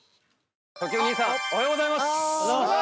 兄さんおはようございます！